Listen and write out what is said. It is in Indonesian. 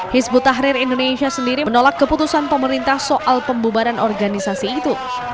hizbut tahrir indonesia sendiri menolak keputusan pemerintah soal pembubaran organisasi itu